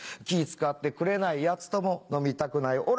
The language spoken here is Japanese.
気ぃ使ってくれないヤツとも飲みたくない。